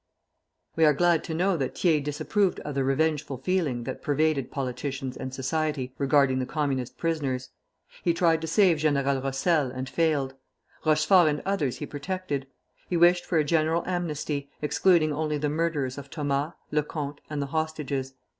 We are glad to know that Thiers disapproved of the revengeful feeling that pervaded politicians and society, regarding the Communist prisoners. He tried to save General Rossel, and failed. Rochefort and others he protected. He wished for a general amnesty, excluding only the murderers of Thomas, Lecomte, and the hostages.